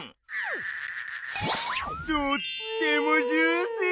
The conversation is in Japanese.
とってもジューシー！